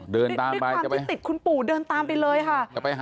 ด้วยความที่ติดคุณปู่เดินตามไปเลยค่ะ